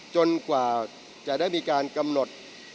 กว่าจะได้มีการกำหนด